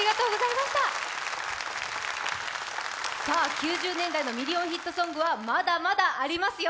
９０年代のミリオンヒットソングはまだまだありますよ。